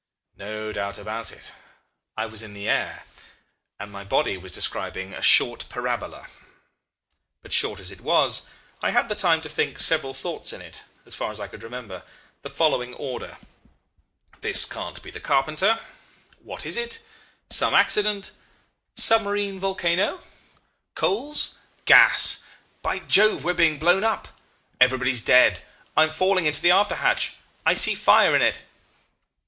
No doubt about it I was in the air, and my body was describing a short parabola. But short as it was, I had the time to think several thoughts in, as far as I can remember, the following order: 'This can't be the carpenter What is it? Some accident Submarine volcano? Coals, gas! By Jove! we are being blown up Everybody's dead I am falling into the after hatch I see fire in it.